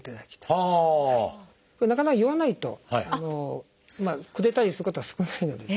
これなかなか言わないとくれたりすることは少ないので。